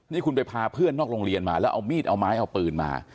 นี่คุณไปพาเพื่อนนอกโรงเรียนมาแล้วเอามีดเอาไม้เอาปืนมา